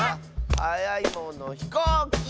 はやいものひこうき！